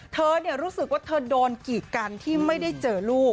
เธอรู้สึกว่าเธอโดนกีดกันที่ไม่ได้เจอลูก